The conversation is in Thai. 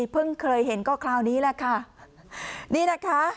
เพิ่งเคยเห็นก็คราวนี้แหละค่ะนี่นะคะ